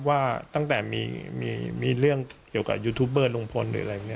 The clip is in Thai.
ว่าตั้งแต่มีเรื่องเกี่ยวกับยูทูปเบอร์ลุงพลหรืออะไร